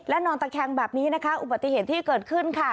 นอนตะแคงแบบนี้นะคะอุบัติเหตุที่เกิดขึ้นค่ะ